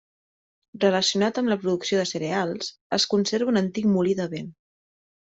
Relacionat amb la producció de cereals, es conserva un antic molí de vent.